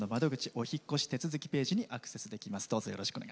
お引っ越し手続きページにアクセスできます。